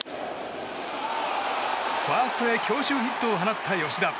ファーストへ強襲ヒットを放った吉田。